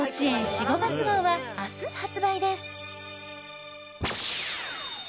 ４・５月号は明日発売です。